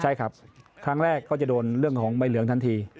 ใช่ครับครั้งแรกก็จะโดนเรื่องของใบเหลืองทันที